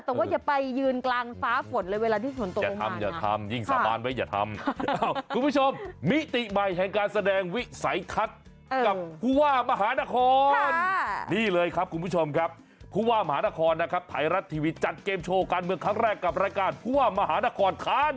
แต่ว่าอย่ายืนกลางสาฝนเลยเวลาส่วนโตโมงมาก